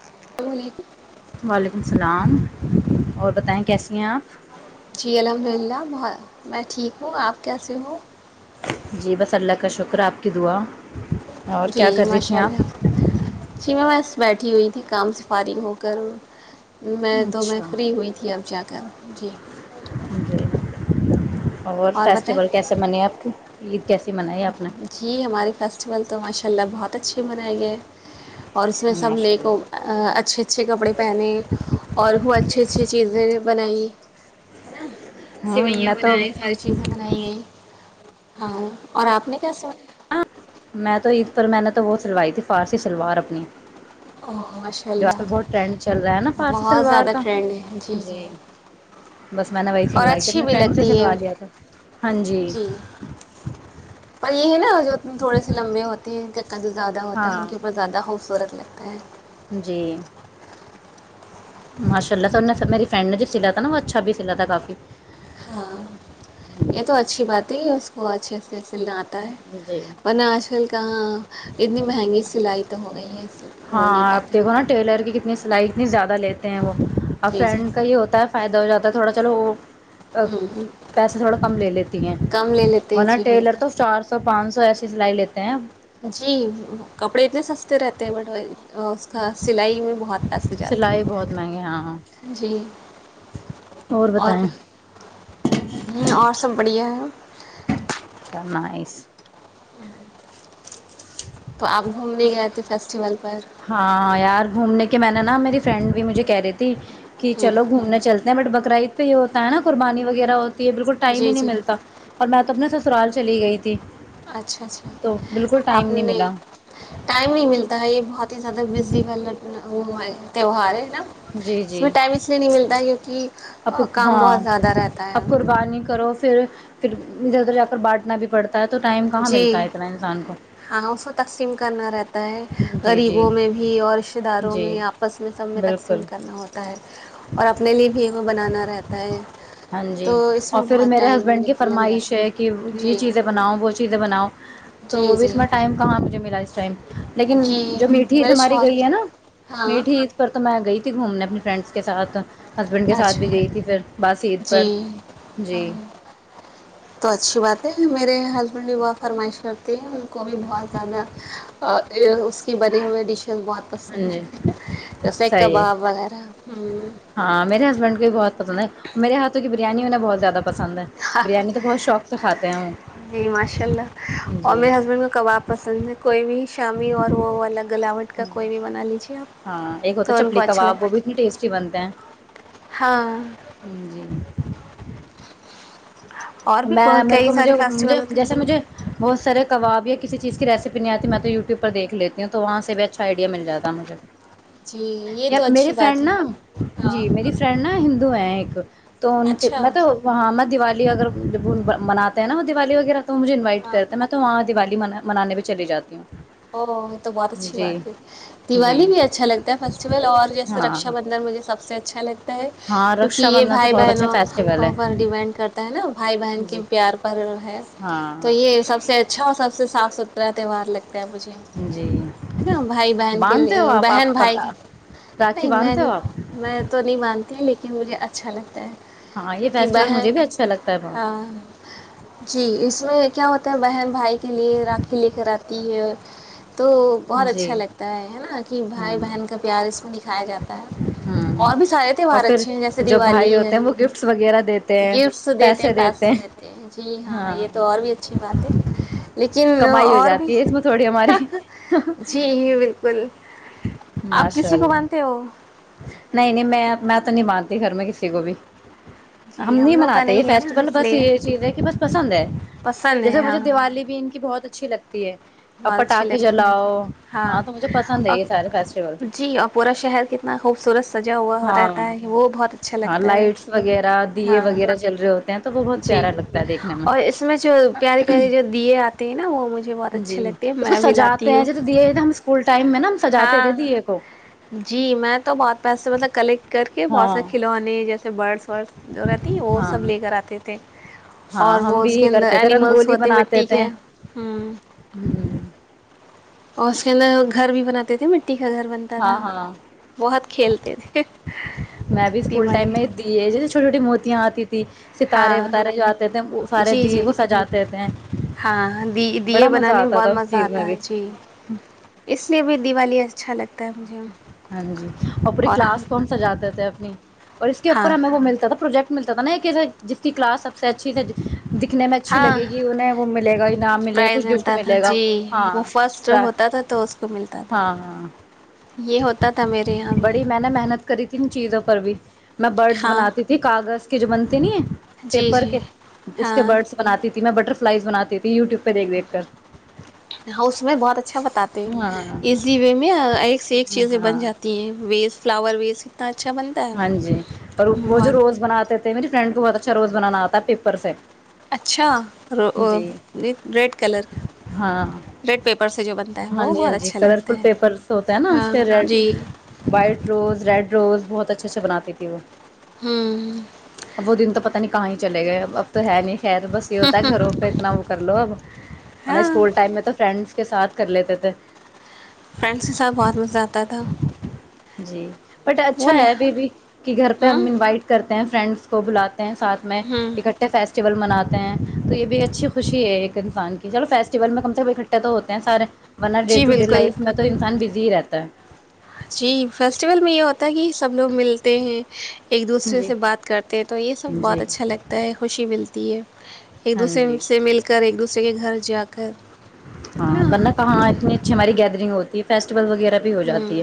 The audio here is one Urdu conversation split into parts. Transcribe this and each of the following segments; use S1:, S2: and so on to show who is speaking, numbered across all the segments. S1: السلام علیکم
S2: وعلیکم السلام اور بتائیں کیسی ہیں آپ
S1: جی الحمد للہ میں ٹھیک ہوں آپ کیس ہو
S2: جی بس اللہ کا شکر ہے آپ کی دعا اور
S1: جی
S2: کیا
S1: جی
S2: کر رہی
S1: ماشاء
S2: تھیں آپ
S1: اللہ جی میں بس بیٹھی ہوئی تھی کام سے فائرنگ ہو کر میں تو میں
S2: اچھا
S1: فری ہوئی تھی اب جا کر جی
S2: ج اور فیسٹیول کیسے بنی آپ کی ج
S1: جی ہمارے فیسٹیول تو ماشاء اللہ بہت اچھی منائے گے اور اس میں سب
S2: ماشاء
S1: نےیک
S2: اللہ
S1: اچھے اچھے کپڑے پہنے اور وہ اچھی اچھی چیزیں بنائیا
S2: ہوں
S1: سوئیاں
S2: میں تو
S1: بنائے ساری چیزیں بنائی ہیں ہاں اور آپ نے کیا س
S2: ہاں میں تو عید پر میں نے تو وہ سلوائی تھی فارسی سلوار اپنی
S1: اوہ ماشاء
S2: ل
S1: اللہ
S2: بہت ٹرینڈ چل رہا ہے نا فارسی
S1: بہت
S2: سلوار
S1: زیادہ
S2: کا
S1: ٹرینڈ ہے
S2: جی بس میں نے وہی
S1: اور
S2: سلوائی تھی
S1: اچھی
S2: اپنے
S1: بھی
S2: فرینڈ سے
S1: لگتی ہے
S2: سلوا لیا تھا ہاں جی
S1: پر یہ ہے نا جو تھوڑے سے لمبے ہوتے ہیں جو زیادہ ہوتا ہے ان
S2: ہاں
S1: کے اوپر زیادہ خوبصورت م
S2: جی ماشاء اللہ س نے میری فرنڈ نے جو سلا تھا ن وہ اچھا بھی سلا تھا کافی
S1: ہاں یہ تو اچھی بات ہے اس کو اچھے سے س
S2: جی
S1: ہے نے آج کل کہاں اتنی مہنگی سلائی تو ہو گئی ہے
S2: ہاں
S1: ہو نہیں
S2: آپ
S1: پاتا ہے۔
S2: دیکھو نا ٹیلر کی کتنے فائی اتنی زیادہ لیتے ہیں وہ اور
S1: جی جی
S2: فرینڈ کا یہ ہوتا ہے فائدہ ہو جاتا ہے ا تھوڑا چلو وہ
S1: ہوں
S2: پیسہ تھوڑا کم لے لیتی ہیں
S1: کم لے لیتے ہیں
S2: ورنہ
S1: جی
S2: ٹیلر تو
S1: بالکل
S2: چار سو تو پانچ سو ایسی سلائی لیتے ہیں
S1: جی کپڑے اتنے سستے رہتے ہیں بٹ اس کا سلائی میں بہت پیسے جاتے
S2: سلائی بہت مہنگے ہاں ہاں
S1: ہیں جی اور اور سب بڑھیا ہے
S2: اچھا نائس
S1: تو آپ گھومنے گئے تھے فیسٹیول پر
S2: ہاں یار گھومنے کے کہ میں نے نا میری فرینڈ بھی مجھے کہہ رہی تھی کہ
S1: ہوں
S2: چلو گھومنا چلتے ہیں بٹ ب بکرا عید پہ یہ ہوتا ہےا قربانی وغیرہ یہ بالکل ٹائم
S1: جی
S2: ہی
S1: جی
S2: نہیں ملتا اور میں اپنے سسرال چلی گئی تھی
S1: اچھا
S2: تو
S1: اچھا
S2: بالکل
S1: اپ
S2: ٹائم نہیں
S1: نے
S2: ملا
S1: ٹائم نہیں ملتا ہے یہ بہت زیادہ بزی وال وہ ہے تیوہار ہے
S2: جی
S1: اس میں
S2: جی
S1: ٹم اس لیے نہیں ملتا کیونکہ
S2: اب
S1: آ، کام
S2: ہاں
S1: بہت زیادہ رہتا
S2: اب
S1: ہے
S2: قربانی کرو پھر پھر ادھر ادھر جا کر بانٹنا بھی پڑتا پتا ہے تو ٹائم کہاں
S1: جی
S2: ملتا ہے اتنا انسان کو
S1: ہاں ہاں، اس کو تقسیم کرنا ہوتا ہے
S2: جی جی
S1: غریبوں میں بھی اور رشتہ داروں
S2: جی
S1: میں آپس میں سب میں
S2: بالکل
S1: تقسیم کرنا ہوتا ہے اور اپنے لیے بھی وہ بنانا رہتا ہے
S2: ہاں جی
S1: تو اس میں
S2: اور پھر
S1: بہت
S2: میرے
S1: ٹائم
S2: ہسبینڈ کی
S1: لگ
S2: فرمائش
S1: جاتا
S2: ہے کہ یہ
S1: جی
S2: چیزیں بناؤ وہ چیز بناؤ تو وہ
S1: جی
S2: بھی
S1: جی
S2: اس میں ٹائم کہاں مجھے ملا اس لیکن
S1: جی
S2: جو میٹھی عید
S1: میرے
S2: ہماری
S1: شوہر کی
S2: گئی ہے نا
S1: ہاں
S2: میٹھی عید پر تو میں گئی تھی گھومنے اپنی فرینڈس کے ساتھ ہسبینڈ کے ساتھ
S1: اچھا
S2: بھی گئی تھی پھر باس ہیید
S1: جی ہ تو اچھی بات ہے میرے ہسبینڈ بھی بہت فرمائش کرتے ہیں کو بھی بہت زیادہ اس کی بنی ہوئے ڈش بہت
S2: ہاں
S1: پسند
S2: جی
S1: ہے جیسے
S2: صحیح ہے
S1: کباب وغیرہ ہ
S2: ریڈ کو بھی بہت پسند ہے میر ہاتھوں کی بریانی ہےہ بہتیادہ ہیں وہ
S1: جی ماشاء اللہ اور
S2: جی
S1: میرے ہسبینڈ کو کباب پسند ہے کوئی بھی شامی اور وہ والا گلاوٹ کا کوئی بھی بنا لیجیے آپ
S2: ہاں ایک ہوتا
S1: تو
S2: ہے
S1: ان کو
S2: چپلی
S1: اچھا
S2: کباب
S1: لگتا
S2: وہ بھی
S1: ہے
S2: اتنی ٹیسٹی بنتے ہیں
S1: ہاں
S2: جی
S1: اور بھی
S2: میں میرے
S1: کئی
S2: کو مجھے
S1: سارے فیسٹیول
S2: مجھے
S1: ہوتے
S2: جیسے
S1: ہیں
S2: مجھے بہت سارے کبابی کسی چیز کی ریسیپ نہیں آتی میں تو و ٹیوب پر دھ لیتی ہوں تو وہاں سے بھی اچھا آئیڈیا مل جاتا مجھے
S1: جی یہ
S2: یا
S1: تو
S2: میری
S1: اچھی بات
S2: فرینڈ
S1: ہے
S2: نا
S1: ہاں
S2: جی میری فرینڈ نا ہ اد ہے ایک تو ان کے
S1: اچھا
S2: میںطلب وہاں م دیوالی اگر جب منے ہیں نا وہ دیوالی وغیرہ تو مجے انوائٹ
S1: ہاں
S2: کرتا ہے میں تو وہاں دیوالی من منانے بھی چلی جاتی ہوں
S1: او یہ تو بہت اچھی
S2: جی
S1: بات ہے
S2: جی
S1: دیوالی بھی اچھا لگتا ہے فیسٹیول اور جیسے
S2: ہاں
S1: رکشا بندھن مجھے سب سے اچ چلے
S2: ہاں
S1: کیونکہ
S2: رکشا
S1: یہ
S2: بندھن تو
S1: بھائی
S2: بہت اچھا
S1: بہنوں
S2: فیسٹیول ہے
S1: پر ڈیپینڈ کرتا ہے نا بھائی بہن کے
S2: جی
S1: پیار پر ہے تو
S2: ہاں
S1: یہ سب سے اچھا اور سب سے صاف ستھرا تہوار لگ مجھ
S2: جی
S1: نا بھائی بہن کے
S2: باندھتے
S1: لیے
S2: ہو آپ
S1: بہن
S2: آپ
S1: بھائی
S2: راکھی
S1: نہیں میں
S2: باندھتے ہو
S1: نہیں
S2: آپ
S1: میں تو نہیں مانتی لیکن لیکن مجھے اچھا لگتا ہے
S2: ہاں یہ
S1: کیونکہ
S2: فیسٹیول مجھے
S1: بہن
S2: بھی اچھا لگتا ہے بہت
S1: ہاں جی اس میں کیا ہوتا ہے بن بھائی کے لیے راک کے لے کے آاتتے ت یہ تو بہت
S2: جی
S1: اچھا لگتا ہے ہے نا کہ بھائی
S2: ہ
S1: بہن کا پیار اس میں دکھایا جاتا ہے
S2: ہوں
S1: اور بھی سارے
S2: اور
S1: تہوار
S2: پھر
S1: اچھے ہیں جیسے
S2: جو
S1: دیوالی
S2: بھائی ہوتے
S1: ہے
S2: ہیں وہ گفٹس وغیرہ دیتے ہیں
S1: گفٹس دیتے
S2: پیسے
S1: پیس دیتے ہیں جی ہاں یہ تو اور بھی اچھی بات ہے لیکن اور بھی
S2: تھوڑے ماریے
S1: بل [inaudible]
S2: ماشاء اللہ نہیں نہیں میں میں تو نہیں باندتا گھر میں کسی کو بھی ہم
S1: جی
S2: نہیں
S1: لوگ کا
S2: مناتے یہ
S1: نہیں ہے نا
S2: فیسٹیول
S1: اس
S2: بس
S1: لیے
S2: یہ چیز ہے کہ بس پسند ہے
S1: پسند ہے
S2: جیسے مجھے
S1: ہاں
S2: دیوالی بھی ان کی بہت اچھی لگتا اب
S1: بہت اچھی
S2: پٹاخے
S1: لگتی
S2: جلاؤ
S1: ہے
S2: ہاں تو مجھے پسند
S1: اور
S2: ہے اس
S1: جی اور پورا شہر کتنا خوبصورت سجا ہوا
S2: ہاں
S1: رہتا ہے وہ بہت اچھا
S2: ہاں
S1: لگتا ہے
S2: لائٹس وغیرہ دیے
S1: ہاں
S2: وغیرہ جل رہے ہوتے ہیں تو وہ بہت
S1: جی
S2: پیارا لگتا ہے دیکھنے
S1: اور اس میں جو پیاریے پیاری جو دیے آتے ہیں نا وہ مجھے بہت اچھا
S2: اس کو سجاتے ہیں جیسے دیے ہم اسکول ٹائم میں نا سجاتے
S1: ہاں
S2: تھے دیے کو
S1: جی میں تو بہت پیسے مطلب کلیکٹ کر کے
S2: ہاں
S1: بہت سارے کھلونے جیسے برڈسورڈس جو رہتی وہ
S2: ہاں
S1: سب لے کر آتے تھے
S2: ہاں
S1: اور
S2: ہم
S1: وہ
S2: بھی
S1: اس کے
S2: یہ
S1: اندر
S2: کرتے تھے
S1: اینیملس
S2: رنگولی
S1: ہوتے
S2: بناتے
S1: مٹی
S2: تھے
S1: کے ہ
S2: ہ
S1: غور سے اپ گھر بھی بنے تھے م پٹی کا گھر بنتا
S2: ہاں
S1: تھا
S2: ہاں
S1: بہت کھیلتے تھےتی والی
S2: چوٹی چوٹی متیا آتی ہیں ستارے وتارے جاتے تھے وہ سارے
S1: جی
S2: دیے
S1: جی
S2: کو سجاتے تھے
S1: ہاں دی دیے
S2: بڑا مزہ
S1: بنانے میں
S2: آتا
S1: بہت
S2: تھا اس
S1: مزہ
S2: چیز میں
S1: آتا
S2: بھی
S1: ہے جی چھلک
S2: ہاں جی اور پوری
S1: ہم
S2: کلاس کون سجاتے تھے اپنی اور اس کے
S1: ہاں
S2: اوپر ہمیں وہ ملتا تھا پروجیکٹ ملتا تھا نا کہ جتنی کلاس سب سے اچھی تھی دکھنے میں اچھی
S1: ہاں
S2: لگے گی انہیں وہ ملے گا انعام ملے گا
S1: پرائز
S2: کچھ گفٹ
S1: ملتا تھا
S2: ملے گا
S1: جی
S2: ہاں
S1: وہ فرسٹ
S2: ہاں
S1: ہوتا تھا تو اس کو ملتا تھا
S2: ہاں
S1: یہ ہوتا تھا میرے یہاں بھی
S2: بڑی میں نے محنت کری تھی ان چیزوں پر بھی میں برڈس
S1: ہاں
S2: بناتی تھی کاغذ کہ جو بنتے نہیں ہیں
S1: جی
S2: پیپر
S1: جی
S2: کے اس
S1: ہاں
S2: کے برڈس بناتی تھی میں بٹر سلائ بناتیے
S1: ہاں اس میں بہت اچھا بتاتے
S2: ہاں
S1: ایزی وے میں ای سے ایک چیزیں
S2: ہاں
S1: بن جات ہیں ویز فلاور ویز کتنا اچھا بنتا
S2: ہاں جی اور
S1: ہے
S2: وہ جو
S1: بہت
S2: روز بناتے تھے میری فرینڈ کو بہت اچھا روز بنانا آ تھا پ پرفیکٹ
S1: اچھا ج ریڈ کلر
S2: ہاں
S1: ریڈ پیپر سے جو بنتا ہے
S2: ہاں
S1: وہ
S2: جی ہاں
S1: بہت
S2: جی
S1: اچھا
S2: کلرفل
S1: لگتا ہے
S2: پیپرس ہوتا ہے نا اس
S1: ہاں
S2: کے ریڈ
S1: جی
S2: وائٹ روز ریڈ روز بہت اچھے سے بناتی تھی وہ
S1: ہوں
S2: اب وہ دن تو پتہ نہیں کہاں ہی چلے گئے اب تو ہے نہیں خ تو بس یہ ہوتا ہے گھروں پہ اتنا وہ کر لو اب
S1: ہاں
S2: اسکول ٹائم میں تو فرینڈس کے ساتھ کر لیتے تھے
S1: فرینڈس کے ساتھ بہت مزہ آتا تھا
S2: جی بٹ اچھا
S1: بول
S2: ہے بھی کہ گھر پہ ہم
S1: ہوں
S2: انوائٹ کرتے ہیں فرینڈس کو بلاتے ہیں ساتھ میں
S1: ہوں
S2: اکٹھے فیسٹول منانے تو یہ بھی اچھی خوشی ہے ایک انسان کی چلو فیسٹیول میں کم سے کم اکٹھے تو ہوتے ہیں سارے ڈے
S1: جی
S2: ٹ ڈے
S1: بالکل
S2: لائف میں تو انسان بز جیرتا [unintelligible]
S1: جی فیسٹیول میں یہ ہوتا ہے کہ سب لوگ ملتے ہیں ایک
S2: ہے
S1: دوسرے
S2: جی
S1: سے بات کرتے ہیں تو یہ سب بہت
S2: جی
S1: اچھا لگتا ہے خوشی ملتی ت [unintelligible] ایک
S2: ہاں
S1: دوسرے
S2: جی
S1: سے مل کر ایک دوسرے اسے کہ گھر جا کر ہے نا
S2: ہاں ورنہ کہاں اتنی اچھی ہماری گیدرنگ ہوتی فیسٹیول وغیرہ بھی ہو
S1: ہ
S2: جاتی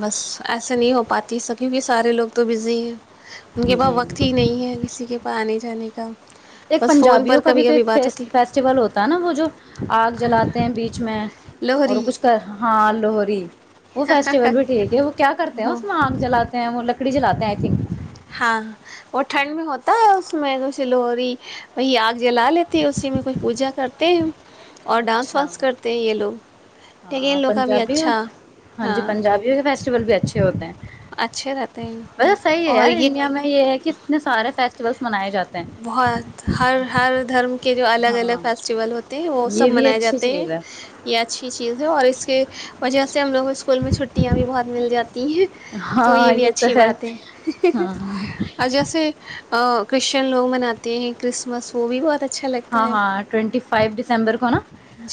S1: بس ایسے نہیں ہو پاتی سب کیونکہ سارے لوگ تو بزی ہیں ان کے
S2: ہے
S1: پاس
S2: جی
S1: وقت ہی نہیں ہے کسی کے پا آنے جلی گام
S2: ایک پنجابیوں کا بھی تو ایک فیسٹیول ہوتا ہے نا وہ جو آگ
S1: ہے۔
S2: جلاتے ہیں بیچ میں اور
S1: لوہری
S2: کچھ کر ہاں لوہری وہ فیسٹیول بھی ٹھیک ہے وہ کیا کرتے ہیں
S1: ہو
S2: اس میں آنگ جلاتے ہیں وہ لکڑی جلے ہیں آئی تھنک
S1: ہاں اور ٹھنڈ میں ہوتا ہے اس میں س لی وہی آگ جلا لیتے ہے اسی میں کچھ پوجا کرتے ہیں اور ڈانس
S2: اچھا
S1: وانس کرتے ہیں یہ لوگ لیکن ان
S2: ہاں
S1: لوگوں کا بھی
S2: پنجابی
S1: اچھا ہاں
S2: ول بھی اچھے ہوتے ہیں
S1: اچھے رہتے ہیں
S2: بسے صحیح ہے
S1: اور
S2: یار
S1: یہ
S2: انڈیا میں یہ ہے کہ اتنے سارے فیسٹیول منایا جاتا ہے
S1: بہت ہر ہر دھرم کے جو الگ الگ
S2: ہاں
S1: فیسٹیول ہوتے ہیں وہ سب
S2: یہ بھی
S1: منائے
S2: اچھی
S1: جاتے ہیں
S2: چیز ہے
S1: یہ اچھی چیز ہے اور اس کے وجہ س ہم لگ اسکول میں چھٹیاں بھی بہت مل جات ہیں تو یہ بھی اچھی بات ہے
S2: ہاں
S1: اور جیسے کش [unintelligible] ن لو مناتے ہیں کرسمس وہ بھی بہت اچھا لگتا
S2: ہاں
S1: ہے
S2: ہاں ٹوینٹی فائیو دسمبر کو نا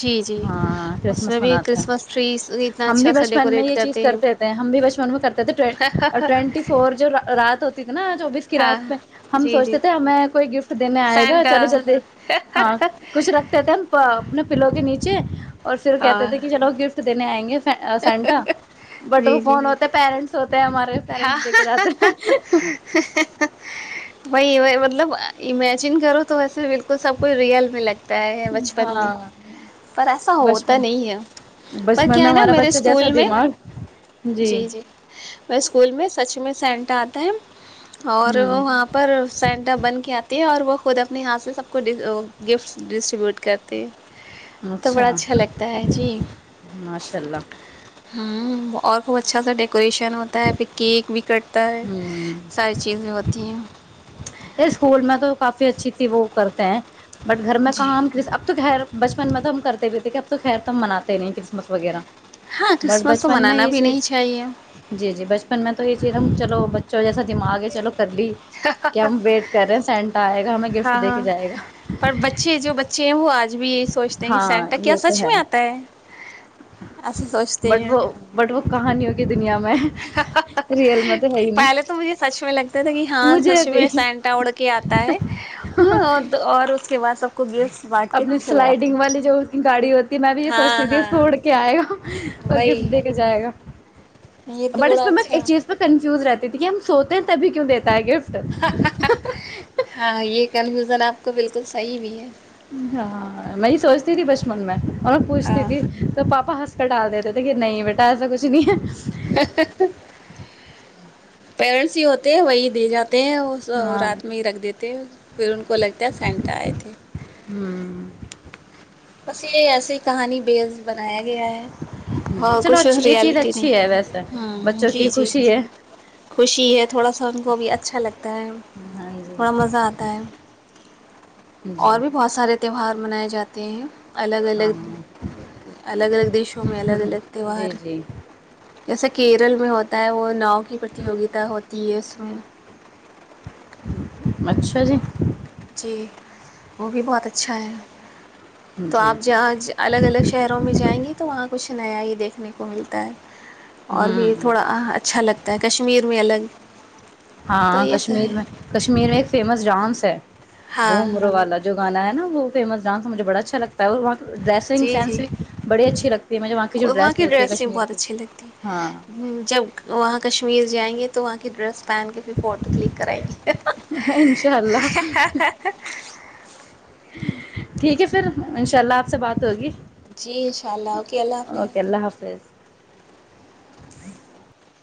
S1: جی جی
S2: ہاں
S1: اس میں
S2: کرسمس
S1: بھی
S2: مناتے ہیں
S1: کرسمس ٹریز اتنا
S2: ہم بھی
S1: اچھا سا
S2: بچپن میں
S1: ڈیکوریٹ
S2: یہ چیز
S1: ہیں
S2: کرتے تھے ہم بھی بچپن میں کرتے تھے ٹوینٹی فور جو رات ہوتی تھی نا چوبس
S1: ہاں
S2: رات پہ ہم
S1: جی جی
S2: سوچتے تھے ہمیں کوئی گفٹ [unintelligible] ایک دن میں آئے گا
S1: سینٹا
S2: چلو جلد ہاں کچھ رکھتے تھے ہم اپنے پلوں کے نیچے اور پھر کہتے
S1: ہاں
S2: تھے کہ چلو گفٹ دینے آئیں گے سینٹر بٹ وہ
S1: جی جی
S2: کون ہوتا پیرنٹس ہوتے ہیں ہمارے
S1: ہاں
S2: پیرنٹس دے کے جاتے ہیں
S1: وہئی ب مطلب جن کرو تو ویے ب سب کوچھ ریئل میں لگتا ہے بچپن میں
S2: ہاں
S1: پر ایسا ہوتا
S2: بچپن
S1: نہیں ہے پر
S2: بچپن
S1: کیا
S2: میں
S1: ہے نا
S2: ہمارا
S1: میرے
S2: بچہ جیسا
S1: اسکول میں
S2: دماغ
S1: جی جی میں سچ میں سینٹا آتا ہے اور
S2: ہوں
S1: وہاں پر سینٹر بن کے آتی ہے اور وہ خود اپنے ہاتھ سے سب کو گفٹس ڈسٹریبیوٹ کرتی ہیں تو بڑا اچھا لگتا ہے جی
S2: ماشاء اللہ
S1: ہ اور خوب اچھا ڈیکوریشن ہو تا ہے پھر کیک بھی کٹ ہوتا ہے
S2: ہوں
S1: ساری چیزیں ہوتی ہیں
S2: یہ اسکول میں تو کافی اچھی تھی وہ کرتے ہیں بٹ گھر میں
S1: جی
S2: کام کر اب تو گیر بچپن میں تو ہم کرتے بھی تھتے کہ اب تو خیر تو ہم مناتے نہیں کرسمس وغیرہ
S1: ہاں
S2: بٹ
S1: کرسمس تو
S2: بچپن میں
S1: منانا
S2: یہ
S1: بھی نہیں
S2: چیز
S1: چاہیے
S2: جی جی بچپن میں تو یہ چیز چلو بچوں جیسا دماغ ہے چلو کر لی ہم ویٹ کر رہے ہیں سینٹا آئے گا ہمیں گفٹ
S1: ہاں
S2: دے کے
S1: ہاں
S2: جائے گا
S1: پ [unintelligible] آج بھی یہی سوچتے ہیں کہ
S2: ہاں
S1: سٹ کیا
S2: یہ تو
S1: سچ میں آتا ہے ایسا سوچتے
S2: بٹ
S1: ہیں
S2: وہ بٹ وہ کہانیوں دنیا میں ریئل میں تو ہے ہی نہیں
S1: پہلے تو مجھے سچ میں لگتا تھا کہ ہاں
S2: مجھے
S1: سچ
S2: بھی
S1: میں سینٹا اڑ کے آتا ہے اور اس کے بعد سب کو گے [unintelligible]
S2: اپنی سلائڈنگ والی جو کی گاڑی ہوتی ہے میں بھی یہ
S1: ہاں
S2: سوچتی تھی
S1: ہاں
S2: سوڑ کے آئے گا اور
S1: وہی
S2: گفٹ دے کے جائے گا
S1: یہ تو
S2: بٹ اس
S1: بڑا
S2: پ اس
S1: اچھا
S2: چیز پہ کنفیوز رہتا ج کہ ہم سوتے ہیں تبھی کیوں دی گفٹ
S1: کو بالکل صحیح بھی ہے
S2: ہاں میں یہ سوچتی تھی بچپن میں اوریں پوچھتی
S1: ہاں
S2: تھی تو پاپا ہ کٹا دیتے تھے کہ نہیں بیٹا ایسا کچھ نہیں ہے
S1: [inaudible] پیرنٹس ہی ہوتے ہیں وہی دے جاتے تےے ہیں
S2: ہاں
S1: رات میں ہی رکھ دیتے پھر ان کو لگتا ہے سینٹا آئے تھے
S2: [inaudible]
S1: بس یہ ایسیے کہانی بیز بنایا
S2: جی
S1: اور
S2: چلو
S1: کچھ
S2: اچھی یہ چیز
S1: ریالٹی
S2: اچھی ہے ویسے
S1: نہیں ہ
S2: بچوں
S1: جی
S2: کی
S1: جی
S2: خوشی ہے
S1: خوشی ہے تھوڑا سا ان کو بھی اچھا لگتا ہے
S2: ہاں
S1: تھوڑا
S2: جی
S1: مزہ آتا ہے اور
S2: جی
S1: بھی بہت سارے تیوار منائے جاتے ہیں الگ
S2: ہاں
S1: الگ الگ الگ دیشوں میں الگ الگ
S2: جی
S1: تیوار
S2: جی
S1: جیسے کیرل میں ہوتا ہے وہ ناؤ کی پرتیوگتا ہوتی ہے اس میں
S2: ہوں
S1: تو جی وہ بھی بہت اچھا ہے تو
S2: جی
S1: آپ جہاں الگ الگ شہروں میں جائیں گے تو وہاں کچھ نیا ہی دیکھنے کو ملتا ہے اور بھی
S2: ہوں
S1: تھوڑا اچھا لگتا ہے کشمیر میں الگ تو
S2: ہاں
S1: یہ سب
S2: کشمیر
S1: ہے
S2: میں کشمیر میں ایک فیمس ڈانس چھ [unintelligible] بو
S1: ہاں
S2: مرو والا جو گانا نا وہ فیمس ڈانس مجھے با اچھا لگتا اور وہاں کی ڈریسنگ
S1: جی جی
S2: سینس بھی بڑی اچھی لگتی ہے مجھے جو
S1: وہاں کی
S2: ہوتی ہے
S1: ڈریس
S2: کشمیر
S1: بہت
S2: کی
S1: اچھی لگتی
S2: ہاں
S1: ہے جب وہاں کشمیر جائیں گے تو تو وہاں کی ڈریس پن کے پھر فوٹو کلک کریں گے
S2: انشاء اللہ ٹھیک ہے پھر ا شاء اللہ آپ سے بات ہوگی
S1: جی انشاء اللہ اوکے اللہ حافظ
S2: اوکے اللہ حافظ
S1: نہیں [inaudible]